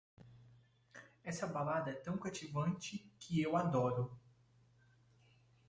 Essa balada é tão cativante que eu adoro!